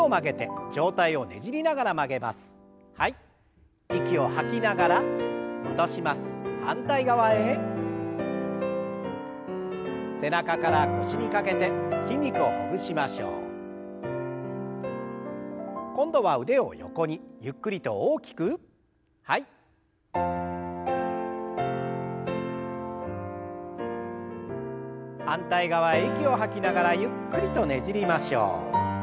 反対側へ息を吐きながらゆっくりとねじりましょう。